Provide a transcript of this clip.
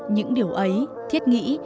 những điều ấy thiết nghĩ